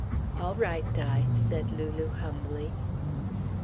"All right, Di," said Lulu humbly.